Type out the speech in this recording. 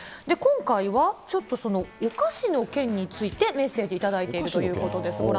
今回はちょっとそのお菓子の件について、メッセージ頂いているということです。